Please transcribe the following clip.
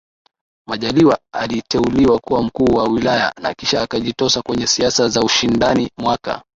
Majaliwa aliteuliwa kuwa Mkuu wa Wilaya na kisha akajitosa kwenye siasa za ushindani mwaka